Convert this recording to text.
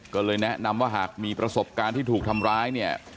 ก็เลยแนะนำว่าหากมีประสบการณ์ที่ถูกทำร้ายเนี่ย